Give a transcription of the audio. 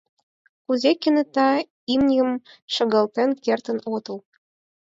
Кузе кенета имньым шогалтен кертын отыл?..